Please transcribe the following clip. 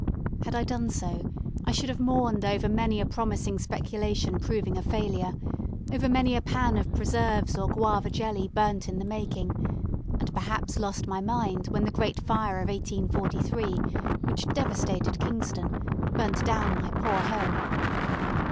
Had I done so, I should have mourned over many a promising speculation proving a failure, over many a pan of preserves or guava jelly burnt in the making; and perhaps lost my mind when the great fire of 1843, which devastated Kingston, burnt down my poor home.